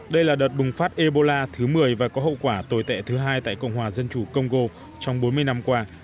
đây là đợt bùng phát ebola thứ một mươi và có hậu quả tồi tệ thứ hai tại cộng hòa dân chủ congo trong bốn mươi năm qua